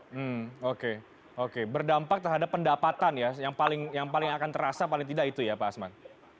hmm oke oke berdampak terhadap pendapatan ya yang paling akan terasa paling tidak itu ya pak asman